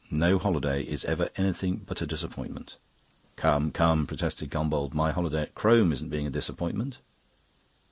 No holiday is ever anything but a disappointment." "Come, come," protested Gombauld. "My holiday at Crome isn't being a disappointment."